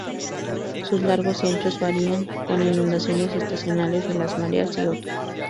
Sus largos y anchos varían con inundaciones estacionales de las mareas y otros.